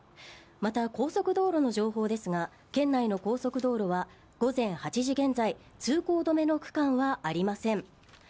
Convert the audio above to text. また、高速道路の情報ですが、県内の高速道路は午前８時現在通行止めの区間はありません。